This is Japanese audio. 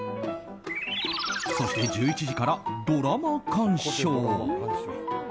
そして１１時からドラマ鑑賞。